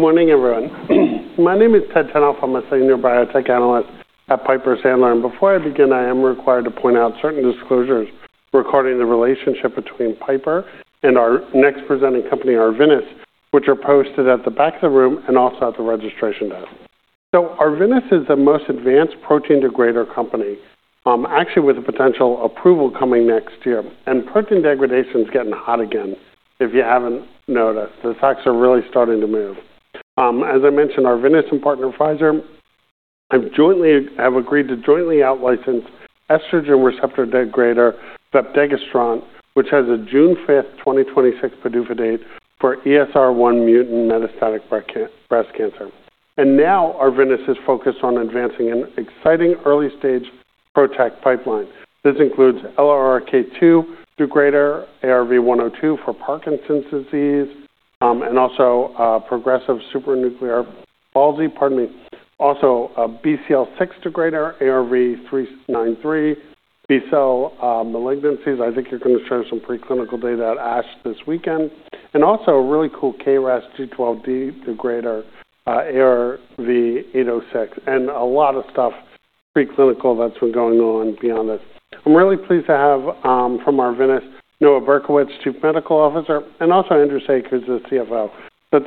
Good morning, everyone. My name is Ted Tenthoff, a Senior Biotech Analyst at Piper Sandler, and before I begin, I am required to point out certain disclosures regarding the relationship between Piper and our next presenting company, Arvinas, which are posted at the back of the room and also at the registration desk, Arvinas is the most advanced protein degrader company, actually with a potential approval coming next year. And protein degradation's getting hot again, if you haven't noticed. The stocks are really starting to move. As I mentioned, Arvinas and partner Pfizer, I've agreed to jointly out-license estrogen receptor degrader, Vepdegestrant, which has a June 5, 2026, PDUFA date for ESR1 mutant metastatic breast cancer, and now Arvinas is focused on advancing an exciting early-stage PROTAC pipeline. This includes LRRK2 degrader, ARV-102 for Parkinson's disease, and also progressive supranuclear palsy, pardon me, also BCL6 degrader, ARV-393, B-cell malignancies. I think you're going to share some preclinical data at ASH this weekend, and also a really cool KRAS G12D degrader, ARV-806, and a lot of stuff preclinical that's been going on beyond this. I'm really pleased to have from Arvinas, Noah Berkowitz, Chief Medical Officer, and also Andrew Saik who's the CFO.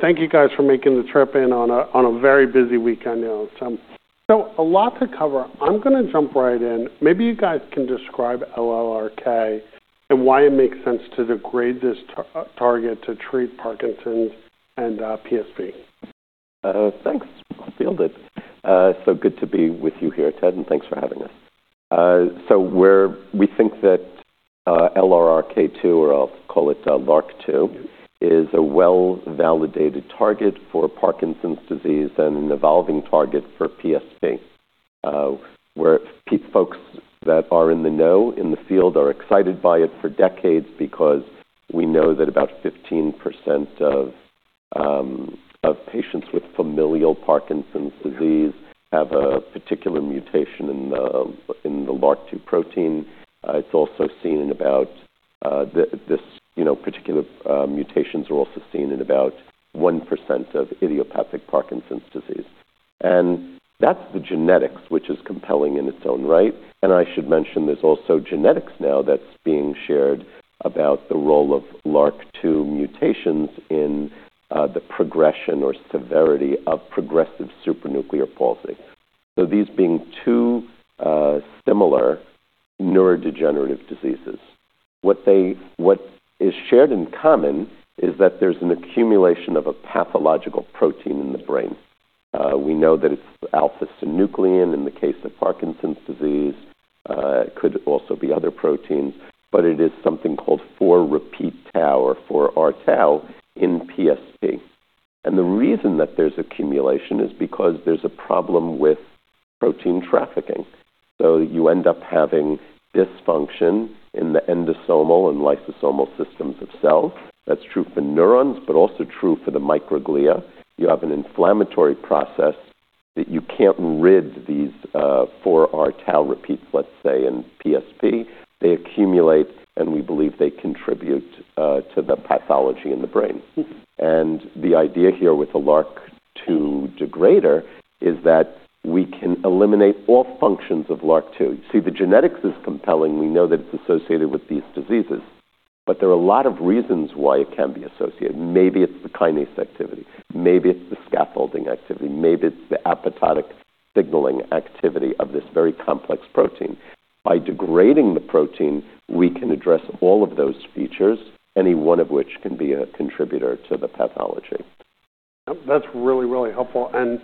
Thank you guys for making the trip in on a very busy weekend. A lot to cover. I'm going to jump right in. Maybe you guys can describe LRRK2 and why it makes sense to degrade this target to treat Parkinson's and PSP. Thanks. I'll field it. Good to be with you here, Ted, and thanks for having us. We think that LRRK2, or I'll call it LRRK2, is a well-validated target for Parkinson's disease and an evolving target for PSP, where folks that are in the know in the field are excited by it for decades because we know that about 15% of patients with familial Parkinson's disease have a particular mutation in the LRRK2 protein. It's also seen in about 1% of idiopathic Parkinson's disease. And that's the genetics, which is compelling in its own right. And I should mention there's also genetics now that's being shared about the role of LRRK2 mutations in the progression or severity of progressive supranuclear palsy. These being two similar neurodegenerative diseases. What is shared in common is that there's an accumulation of a pathological protein in the brain. We know that it's alpha-synuclein in the case of Parkinson's disease. It could also be other proteins, but it is something called 4-repeat tau or 4R-tau in PSP. And the reason that there's accumulation is because there's a problem with protein trafficking. You end up having dysfunction in the endosomal and lysosomal systems of cells. That's true for neurons, but also true for the microglia. You have an inflammatory process that you can't rid these 4R-tau repeats, let's say, in PSP. They accumulate, and we believe they contribute to the pathology in the brain. And the idea here with the LRRK2 degrader is that we can eliminate all functions of LRRK2. See, the genetics is compelling. We know that it's associated with these diseases, but there are a lot of reasons why it can be associated. Maybe it's the kinase activity. Maybe it's the scaffolding activity. Maybe it's the apoptotic signaling activity of this very complex protein. By degrading the protein, we can address all of those features, any one of which can be a contributor to the pathology. That's really, really helpful. And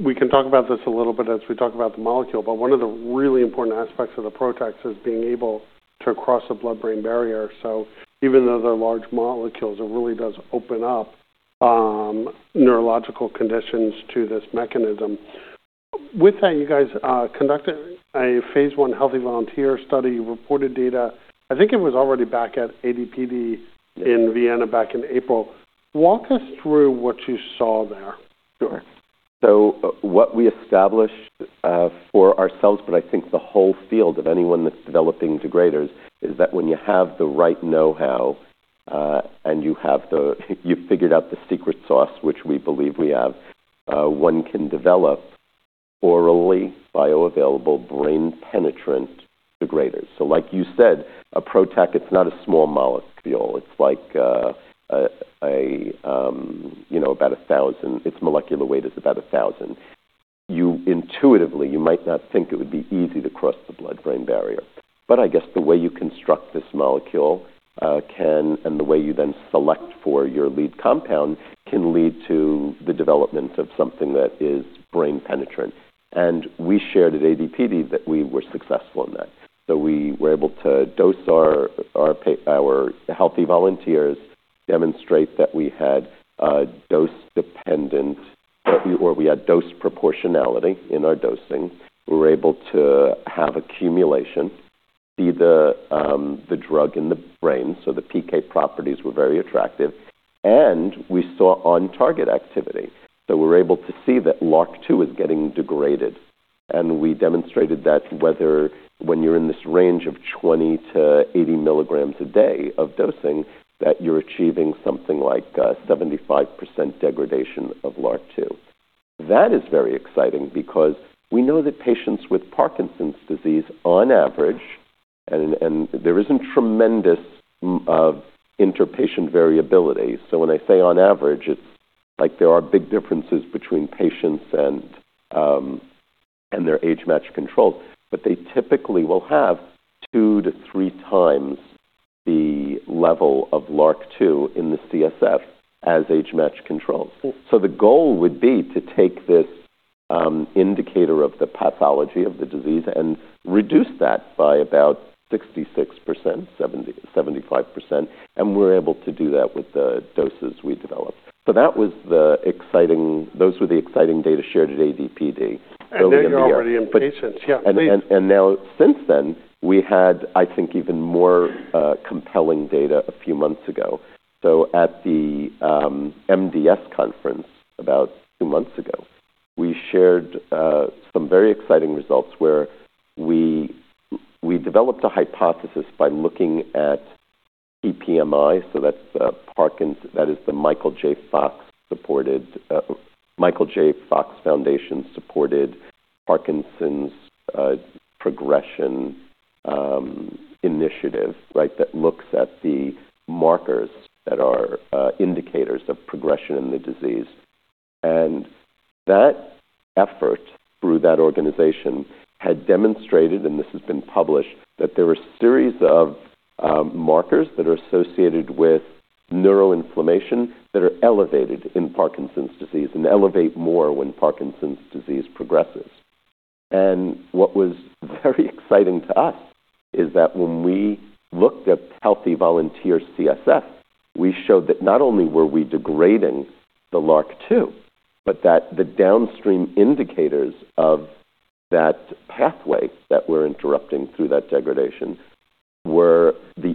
we can talk about this a little bit as we talk about the molecule, but one of the really important aspects of the PROTAC is being able to cross the blood-brain barrier. Even though they're large molecules, it really does open up neurological conditions to this mechanism. With that, you guys conducted a phase 1 healthy volunteer study. You reported data. I think it was already back at AD/PD in Vienna back in April. Walk us through what you saw there. Sure. What we established for ourselves, but I think the whole field of anyone that's developing degraders, is that when you have the right know-how and you've figured out the secret sauce, which we believe we have, one can develop orally bioavailable brain-penetrant degraders. Like you said, a PROTAC, it's not a small molecule. It's like about 1,000. Its molecular weight is about 1,000. Intuitively, you might not think it would be easy to cross the blood-brain barrier. But I guess the way you construct this molecule and the way you then select for your lead compound can lead to the development of something that is brain-penetrant. And we shared at AD/PD that we were successful in that. We were able to dose our healthy volunteers, demonstrate that we had dose-dependent or we had dose proportionality in our dosing. We were able to have accumulation, see the drug in the brain, the PK properties were very attractive, and we saw on-target activity, we were able to see that LRRK2 was getting degraded. We demonstrated that when you're in this range of 20-80 mg a day of dosing, that you're achieving something like 75% degradation of LRRK2. That is very exciting because we know that patients with Parkinson's disease, on average, and there isn't tremendous interpatient variability. When I say on average, it's like there are big differences between patients and their age-matched controls, but they typically will have two to three times the level of LRRK2 in the CSF as age-matched controls. The goal would be to take this indicator of the pathology of the disease and reduce that by about 66%, 75%. We're able to do that with the doses we developed. That was the exciting, those were the exciting data shared at AD/PD early in the year. And you already have patients. Yeah. And now since then, we had, I think, even more compelling data a few months ago. At the MDS conference about two months ago, we shared some very exciting results where we developed a hypothesis by looking at PPMI. That is the Michael J. Fox Foundation-supported Parkinson's progression initiative that looks at the markers that are indicators of progression in the disease. And that effort through that organization had demonstrated, and this has been published, that there are a series of markers that are associated with neuroinflammation that are elevated in Parkinson's disease and elevate more when Parkinson's disease progresses. And what was very exciting to us is that when we looked at healthy volunteer CSF, we showed that not only were we degrading the LRRK2, but that the downstream indicators of that pathway that we're interrupting through that degradation were the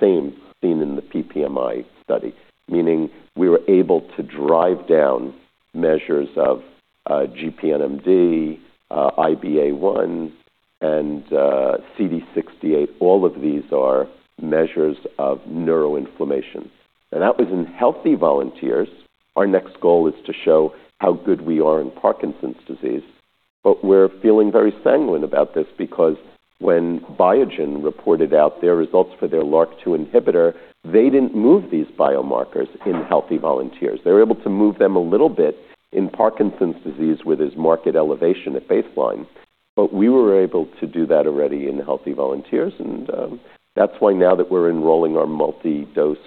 same seen in the PPMI study, meaning we were able to drive down measures of GPNMB, IBA1, and CD68. All of these are measures of neuroinflammation. And that was in healthy volunteers. Our next goal is to show how good we are in Parkinson's disease. But we're feeling very sanguine about this because when Biogen reported out their results for their LRRK2 inhibitor, they didn't move these biomarkers in healthy volunteers. They were able to move them a little bit in Parkinson's disease with this marked elevation at baseline. But we were able to do that already in healthy volunteers. That's why now that we're enrolling our multi-dose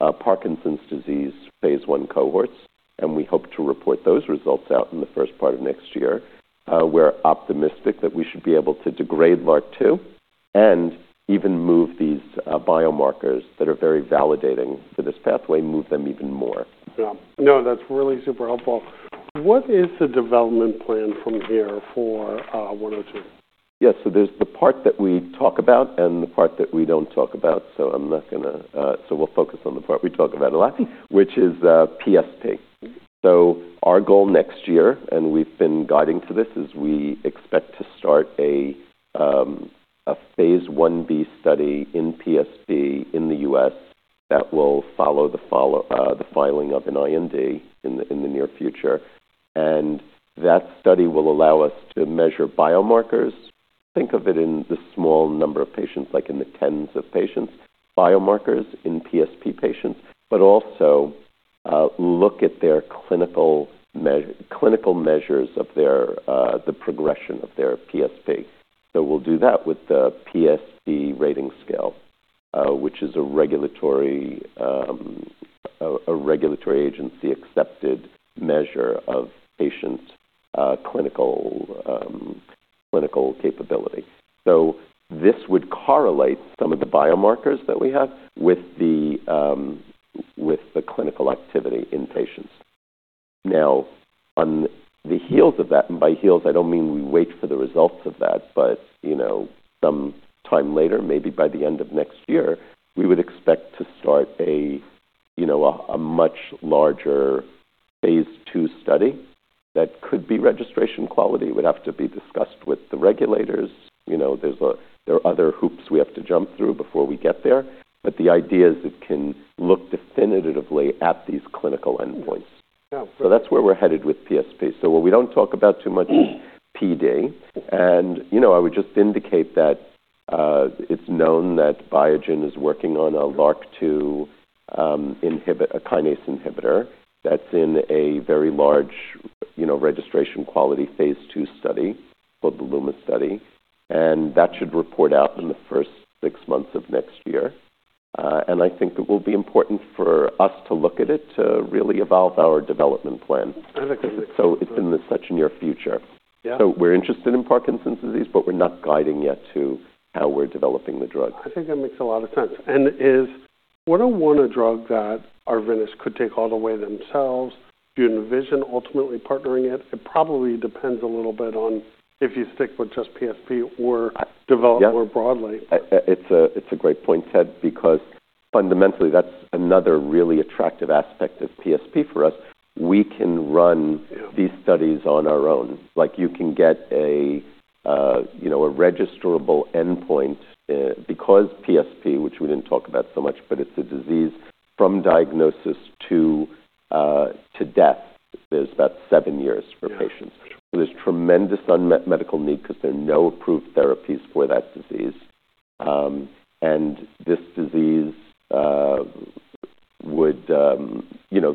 Parkinson's disease phase one cohorts, and we hope to report those results out in the first part of next year, we're optimistic that we should be able to degrade LRRK2 and even move these biomarkers that are very validating for this pathway, move them even more. Yeah. No, that's really super helpful. What is the development plan from here for 102? Yeah. There's the part that we talk about and the part that we don't talk about. We'll focus on the part we talk about a lot, which is PSP. Our goal next year, and we've been guiding to this, is we expect to start a phase 1b study in PSP in the U.S. that will follow the filing of an IND in the near future. And that study will allow us to measure biomarkers, think of it in the small number of patients, like in the tens of patients, biomarkers in PSP patients, but also look at their clinical measures of the progression of their PSP. We'll do that with the PSP Rating Scale, which is a regulatory agency-accepted measure of patient clinical capability. This would correlate some of the biomarkers that we have with the clinical activity in patients. Now, on the heels of that, and by heels, I don't mean we wait for the results of that, but some time later, maybe by the end of next year, we would expect to start a much larger phase II study that could be registration quality. It would have to be discussed with the regulators. There are other hoops we have to jump through before we get there. But the idea is it can look definitively at these clinical endpoints. That's where we're headed with PSP. What we don't talk about too much is PD. And I would just indicate that it's known that Biogen is working on a LRRK2 kinase inhibitor that's in a very large registration quality phase II study called the LUMA study. And that should report out in the first six months of next year. I think it will be important for us to look at it to really evolve our development plan. It's in such near future. We're interested in Parkinson's disease, but we're not guiding yet to how we're developing the drug. I think that makes a lot of sense. And is ARV a drug that Arvinas could take all the way themselves? Do you envision ultimately partnering it? It probably depends a little bit on if you stick with just PSP or develop more broadly. It's a great point, Ted, because fundamentally, that's another really attractive aspect of PSP for us. We can run these studies on our own. You can get a registrational endpoint because PSP, which we didn't talk about so much, but it's a disease from diagnosis to death. There's about seven years for patients. There's tremendous medical need because there are no approved therapies for that disease. And this disease would.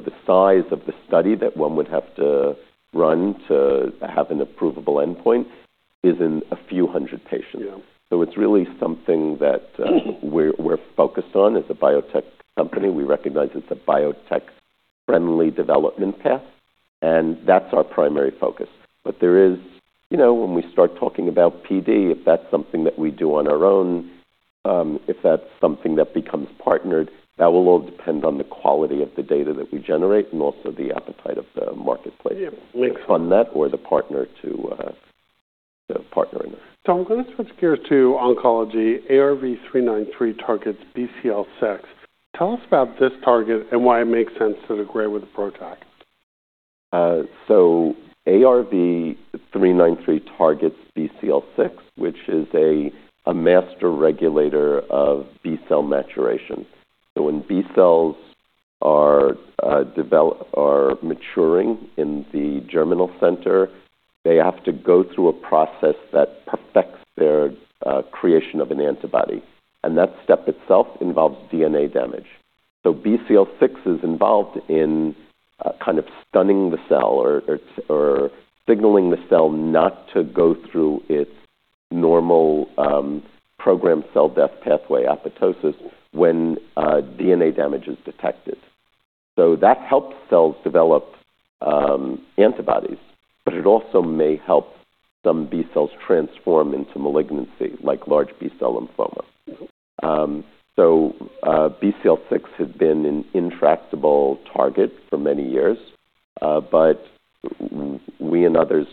The size of the study that one would have to run to have an approvable endpoint is in a few hundred patients. It's really something that we're focused on as a biotech company. We recognize it's a biotech-friendly development path. And that's our primary focus. But when we start talking about PD, if that's something that we do on our own, if that's something that becomes partnered, that will all depend on the quality of the data that we generate and also the appetite of the marketplace to fund that or the partner to partner in it. I'm gonna switch gears to oncology. ARV-393 targets BCL6. Tell us about this target and why it makes sense to degrade with a PROTAC. ARV-393 targets BCL6, which is a master regulator of B-cell maturation. When B-cells are maturing in the germinal center, they have to go through a process that perfects their creation of an antibody. And that step itself involves DNA damage. BCL6 is involved in kind of stunning the cell or signaling the cell not to go through its normal programmed cell death pathway, apoptosis, when DNA damage is detected. That helps cells develop antibodies, but it also may help some B-cells transform into malignancy, like large B-cell lymphoma. So BCL6 had been an intractable target for many years, but we and others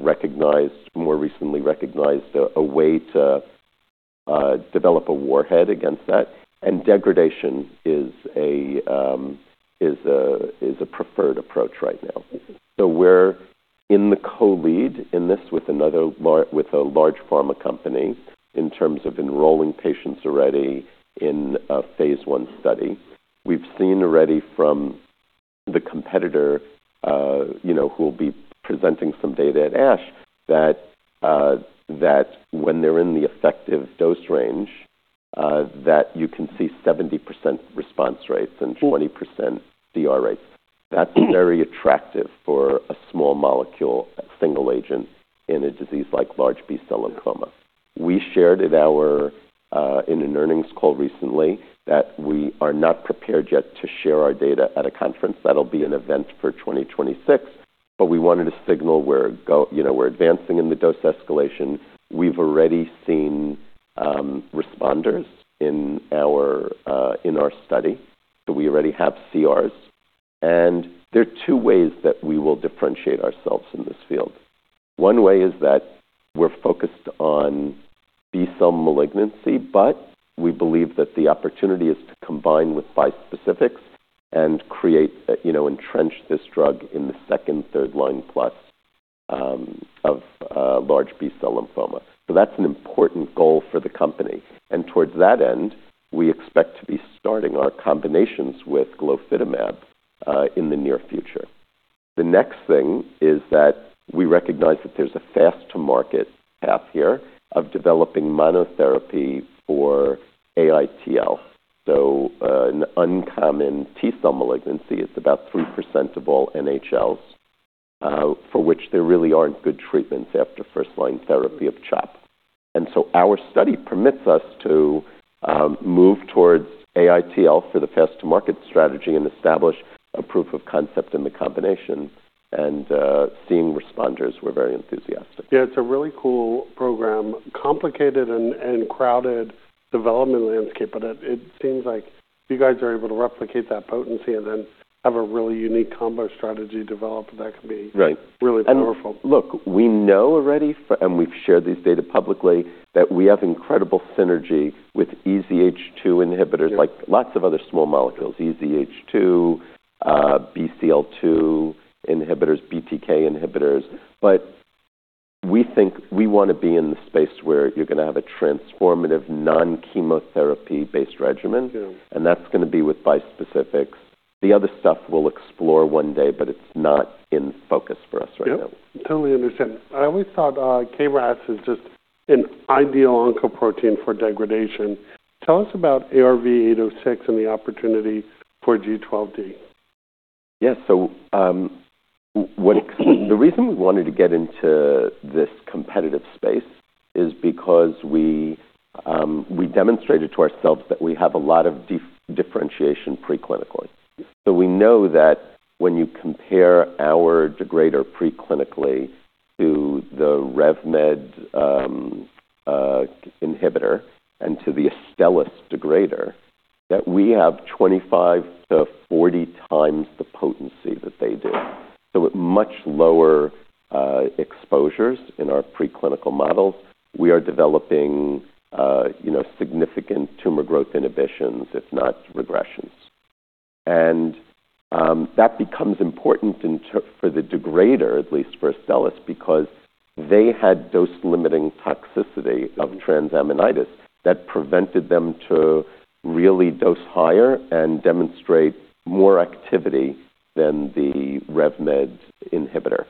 recognized more recently a way to develop a warhead against that. And degradation is a preferred approach right now. So we're in the co-lead in this with a large pharma company in terms of enrolling patients already in a phase I study. We've seen already from the competitor who will be presenting some data at ASH that when they're in the effective dose range, that you can see 70% response rates and 20% PR rates. That's very attractive for a small molecule single agent in a disease like large B-cell lymphoma. We shared in an earnings call recently that we are not prepared yet to share our data at a conference. That'll be an event for 2026, but we wanted to signal we're advancing in the dose escalation. We've already seen responders in our study. So we already have CRs. And there are two ways that we will differentiate ourselves in this field. One way is that we're focused on B-cell malignancy, but we believe that the opportunity is to combine with bispecifics and entrench this drug in the second, third line plus of large B-cell lymphoma. That's an important goal for the company. And towards that end, we expect to be starting our combinations with Glofitamab in the near future. The next thing is that we recognize that there's a fast-to-market path here of developing monotherapy for AITL. So an uncommon T-cell malignancy is about 3% of all NHLs, for which there really aren't good treatments after first-line therapy of CHOP. And so our study permits us to move towards AITL for the fast-to-market strategy and establish a proof of concept in the combination. And seeing responders, we're very enthusiastic. Yeah. It's a really cool program, complicated and crowded development landscape, but it seems like you guys are able to replicate that potency and then have a really unique combo strategy developed that can be really powerful. Look, we know already, and we've shared this data publicly, that we have incredible synergy with EZH2 inhibitors, like lots of other small molecules, EZH2, BCL2 inhibitors, BTK inhibitors, but we think we want to be in the space where you're going to have a transformative non-chemotherapy-based regimen, and that's going to be with bispecifics. The other stuff we'll explore one day, but it's not in focus for us right now. Yeah. Totally understand. I always thought KRAS is just an ideal oncoprotein for degradation. Tell us about ARV-806 and the opportunity for G12D. Yeah. So the reason we wanted to get into this competitive space is because we demonstrated to ourselves that we have a lot of differentiation preclinically. So we know that when you compare our degrader preclinically to the RevMed inhibitor and to the Astellas degrader, that we have 25-40 times the potency that they do. So with much lower exposures in our preclinical models, we are developing significant tumor growth inhibitions, if not regressions. And that becomes important for the degrader, at least for Astellas, because they had dose-limiting toxicity of transaminitis that prevented them to really dose higher and demonstrate more activity than the RevMed inhibitor.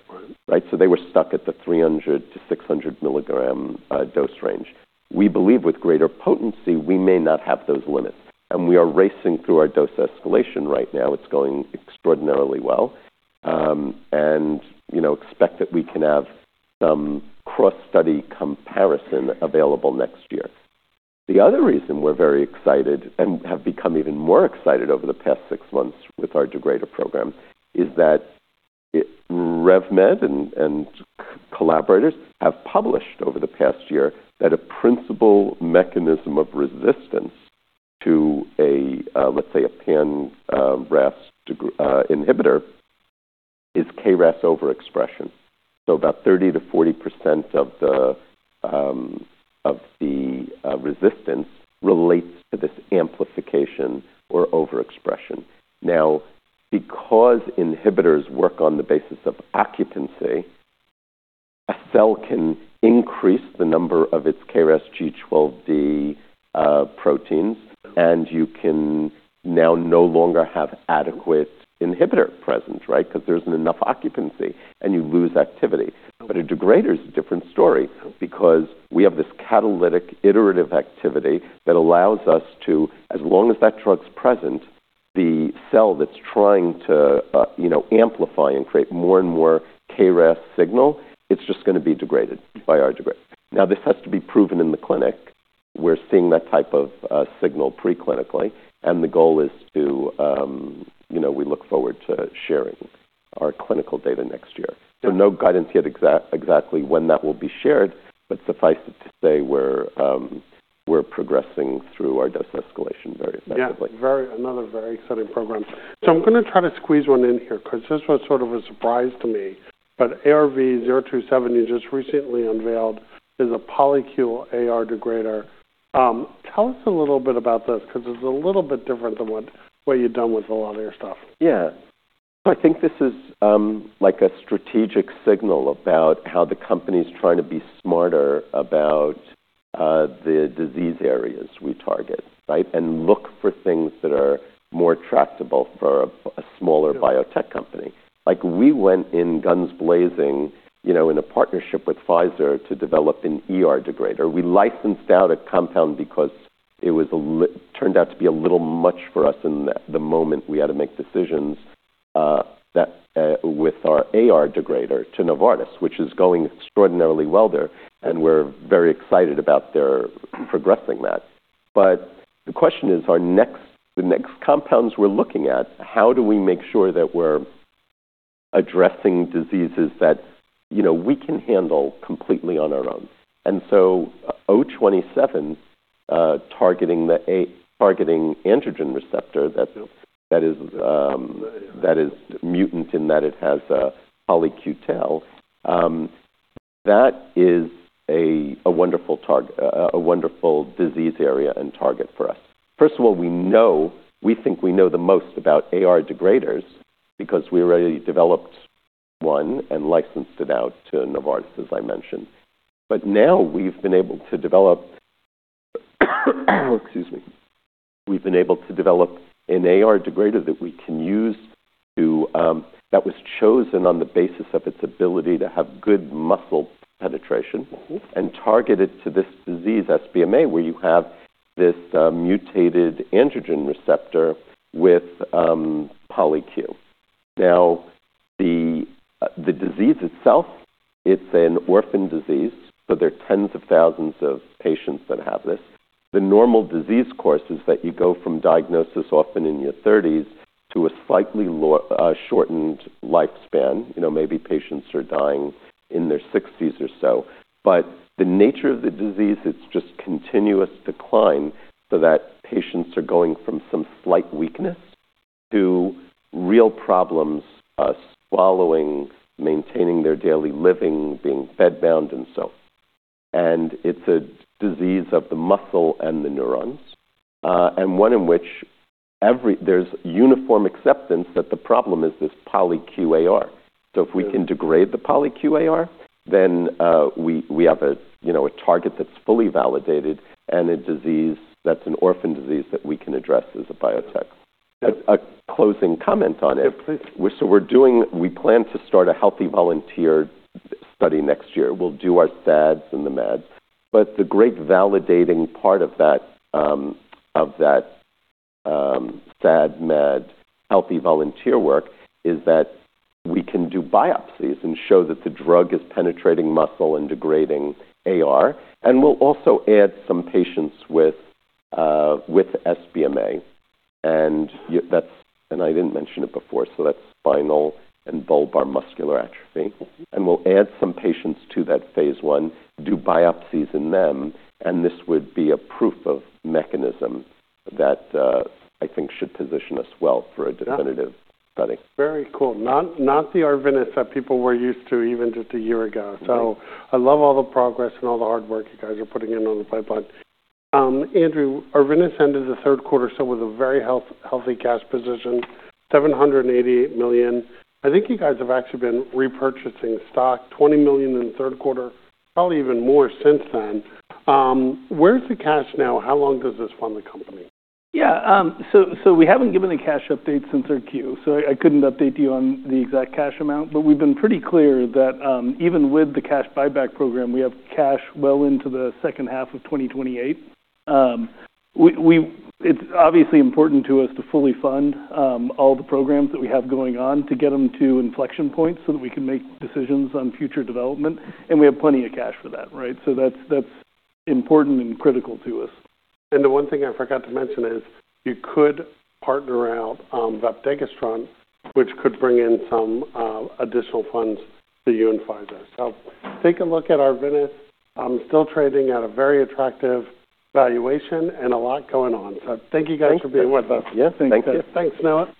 Right? So they were stuck at the 300 mg-600 mg dose range. We believe with greater potency, we may not have those limits. And we are racing through our dose escalation right now. It's going extraordinarily well. And expect that we can have some cross-study comparison available next year. The other reason we're very excited and have become even more excited over the past six months with our degrader program is that RevMed and collaborators have published over the past year that a principal mechanism of resistance to, let's say, a pan-RAS inhibitor is KRAS overexpression. So about 30%-40% of the resistance relates to this amplification or overexpression. Now, because inhibitors work on the basis of occupancy, a cell can increase the number of its KRAS G12D proteins, and you can now no longer have adequate inhibitor presence, right? Because there's enough occupancy, and you lose activity. But a degrader is a different story because we have this catalytic iterative activity that allows us to, as long as that drug's present, the cell that's trying to amplify and create more and more KRAS signal, it's just going to be degraded by our degrader. Now, this has to be proven in the clinic. We're seeing that type of signal preclinically. And the goal is to, we look forward to sharing our clinical data next year. So no guidance yet exactly when that will be shared, but suffice it to say we're progressing through our dose escalation very effectively. Yeah. Another very exciting program. So I'm going to try to squeeze one in here because this was sort of a surprise to me. But ARV-027, you just recently unveiled, is a polyQ AR degrader. Tell us a little bit about this because it's a little bit different than what you've done with a lot of your stuff. Yeah. So I think this is like a strategic signal about how the company is trying to be smarter about the disease areas we target, right? And look for things that are more tractable for a smaller biotech company. We went in guns blazing in a partnership with Pfizer to develop a degrader. We licensed out a compound because it turned out to be a little much for us in the moment we had to make decisions with our AR degrader to Novartis, which is going extraordinarily well there. And we're very excited about their progressing that. But the question is, the next compounds we're looking at, how do we make sure that we're addressing diseases that we can handle completely on our own? And so 027, targeting the androgen receptor that is mutant in that it has a polyQ tail, that is a wonderful disease area and target for us. First of all, we think we know the most about AR degraders because we already developed one and licensed it out to Novartis, as I mentioned. But now we've been able to develop, excuse me, we've been able to develop an AR degrader that we can use that was chosen on the basis of its ability to have good muscle penetration and target it to this disease, SBMA, where you have this mutated androgen receptor with polyQ. Now, the disease itself, it's an orphan disease. So there are tens of thousands of patients that have this. The normal disease course is that you go from diagnosis often in your 30s to a slightly shortened lifespan. Maybe patients are dying in their 60s or so. But the nature of the disease, it's just continuous decline so that patients are going from some slight weakness to real problems swallowing, maintaining their daily living, being bedbound, and so on. And it's a disease of the muscle and the neurons, and one in which there's uniform acceptance that the problem is this polyQ AR. So if we can degrade the polyQ AR, then we have a target that's fully validated and a disease that's an orphan disease that we can address as a biotech. A closing comment on it. So we plan to start a healthy volunteer study next year. We'll do our SADs and the MADs. But the great validating part of that SAD-MAD healthy volunteer work is that we can do biopsies and show that the drug is penetrating muscle and degrading AR. And we'll also add some patients with SBMA. I didn't mention it before, so that's spinal and bulbar muscular atrophy. We'll add some patients to that phase I, do biopsies in them. This would be a proof of mechanism that I think should position us well for a definitive study. Very cool. Not the Arvinas that people were used to even just a year ago. So I love all the progress and all the hard work you guys are putting in on the pipeline. Andrew, Arvinas ended the third quarter still with a very healthy cash position, $788 million. I think you guys have actually been repurchasing stock, $20 million in the third quarter, probably even more since then. Where's the cash now? How long does this fund the company? Yeah. So we haven't given a cash update since our Q. So I couldn't update you on the exact cash amount. But we've been pretty clear that even with the cash buyback program, we have cash well into the second half of 2028. It's obviously important to us to fully fund all the programs that we have going on to get them to inflection points so that we can make decisions on future development. And we have plenty of cash for that, right? So that's important and critical to us. The one thing I forgot to mention is you could partner out with Vepdegestrant, which could bring in some additional funds to fund this. So take a look at Arvinas. I'm still trading at a very attractive valuation and a lot going on. So thank you guys for beFing with us. Yeah. Thank you. Thanks. Thanks.